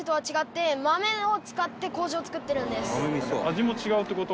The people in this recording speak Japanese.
味も違うって事？